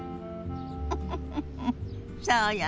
フフフフそうよね。